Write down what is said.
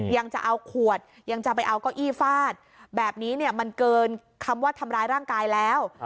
ยังจะเอาขวดยังจะไปเอาเก้าอี้ฟาดแบบนี้เนี่ยมันเกินคำว่าทำร้ายร่างกายแล้ว